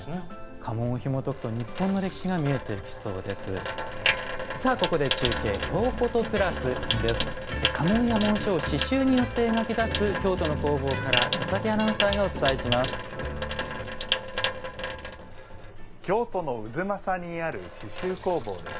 家紋や紋章を刺しゅうによって描き出す京都の工房から佐々木アナウンサーです。